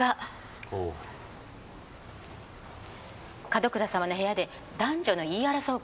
門倉様の部屋で男女の言い争う